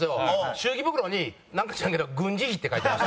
祝儀袋になんか知らんけど「軍事費」って書いてました。